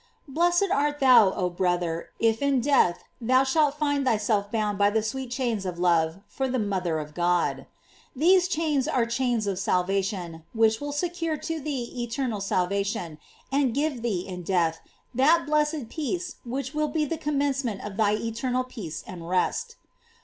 "* Blessed art thou, oh brother, if in death thou shalt find thyself bound by the sweet chains of love for the mother of God! These chains are chains of salvation, which will secure to thee eternal sal vation, and give thee in death that blessed peace which will be the commencement of thy eternal peace and rest.